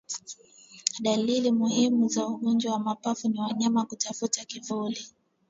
Dalili muhimu za ugonjwa wa mapafu ni wanyama kutafuta kivuli